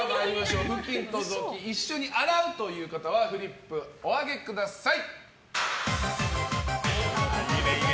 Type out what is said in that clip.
布巾と雑巾一緒に洗うという方はフリップお上げください。